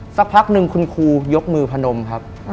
สักพักหนึ่งคุณครูยกมือพนมครับ